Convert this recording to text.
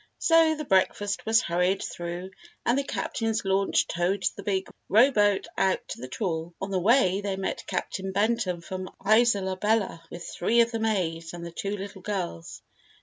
_ Page 52] So, the breakfast was hurried through and the Captain's launch towed the big rowboat out to the trawl. On the way, they met Captain Benton from Isola Bella with three of the maids and the two little girls.